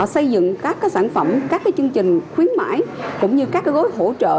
xây dựng các sản phẩm các chương trình khuyến mãi cũng như các gói hỗ trợ